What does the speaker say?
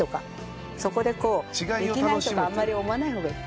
そこでこうできないとかあんまり思わない方がいい。